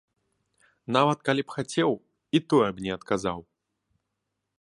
Нават калі б хацеў, і тое б не адказаў!